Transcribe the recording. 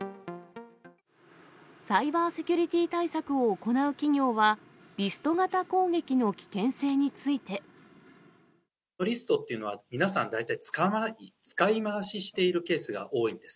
サイバーセキュリティ―対策を行う企業は、リスト型攻撃の危険性リストっていうのは皆さん、大体、使い回ししているケースが多いんです。